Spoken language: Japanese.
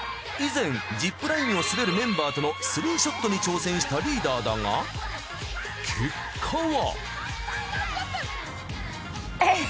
以前ジップラインを滑るメンバーとの３ショットに挑戦したリーダーだが結果は。